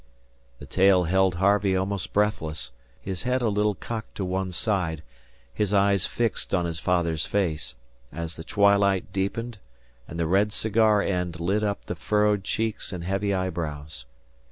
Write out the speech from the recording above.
The tale held Harvey almost breathless, his head a little cocked to one side, his eyes fixed on his father's face, as the twilight deepened and the red cigar end lit up the furrowed cheeks and heavy eyebrows.